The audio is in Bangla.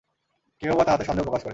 কেহ বা তাহাতে সন্দেহ প্রকাশ করে।